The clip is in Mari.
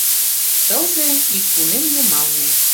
Тылзе — ӱппунем йымалне